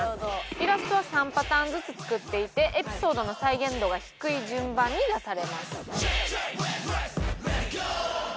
イラストは３パターンずつ作っていてエピソードの再現度が低い順番に出されます。